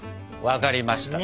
分かりました！